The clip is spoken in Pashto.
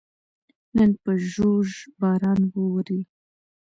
نن په ژوژ باران ووري